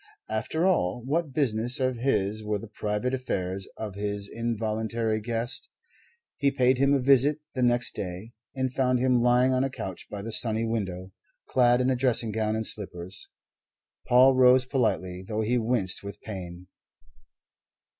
After all, what business of his were the private affairs of his involuntary guest? He paid him a visit the next day, and found him lying on a couch by the sunny window, clad in dressing gown and slippers. Paul rose politely, though he winced with pain.